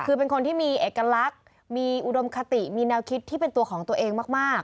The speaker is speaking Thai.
คือเป็นคนที่มีเอกลักษณ์มีอุดมคติมีแนวคิดที่เป็นตัวของตัวเองมาก